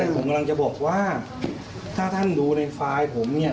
ผมกำลังจะบอกว่าถ้าท่านดูในไฟล์ผมเนี่ย